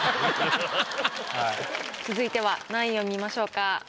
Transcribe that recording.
続いては何位を見ましょうか？